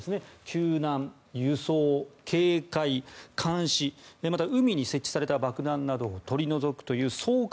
救難、輸送、警戒、監視また、海に設置された爆弾などを取り除くという掃海